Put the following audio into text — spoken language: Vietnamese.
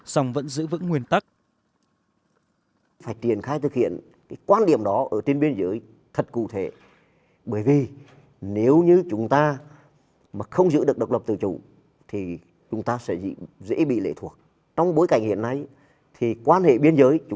xong vẫn giữ vững nguyên tắc